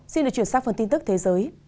xin được chuyển sang phần tin tức thế giới